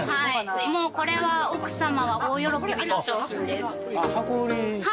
もうこれは奥さまは大喜びの商品です。